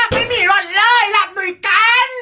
ไม่มีหวัดเลยหลักหน่วยกัน